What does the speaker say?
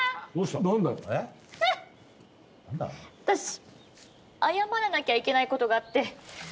私謝らなきゃいけないことがあって。